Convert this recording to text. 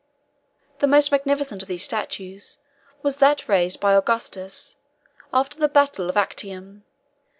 The most magnificent of these statues, was that raised by Augustus after the battle of Actium.